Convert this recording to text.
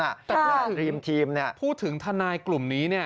อย่างทีมพูดถึงทนายกลุ่มนี้